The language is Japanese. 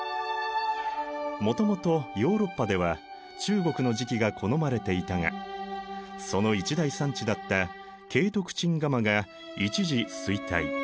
もともとヨーロッパでは中国の磁器が好まれていたがその一大産地だった景徳鎮窯が一時衰退。